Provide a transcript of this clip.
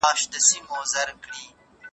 که باران وشي، د خلکو فصلونه به ښه شي.